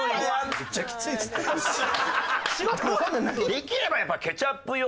できればやっぱケチャップ要素